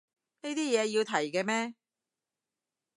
呢啲嘢要提嘅咩